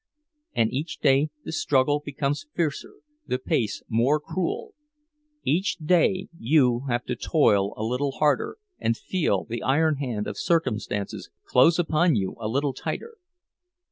And each day the struggle becomes fiercer, the pace more cruel; each day you have to toil a little harder, and feel the iron hand of circumstance close upon you a little tighter.